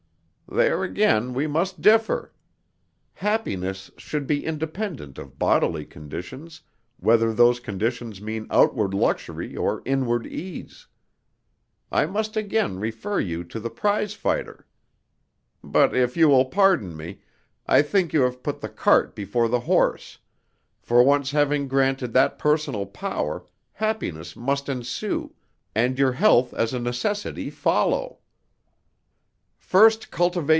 "There again we must differ. Happiness should be independent of bodily conditions, whether those conditions mean outward luxury or inward ease. I must again refer you to the prize fighter. But if you will pardon me, I think you have put the cart before the horse; for once having granted that personal power, happiness must ensue, and your health as a necessity follow.